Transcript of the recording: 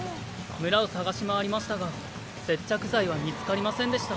村を探し回りましたが接着剤は見つかりませんでした。